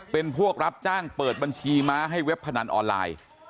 เป็นพวกรับจ้างเปิดบัญชีม้าให้เว็บพนันออนไลน์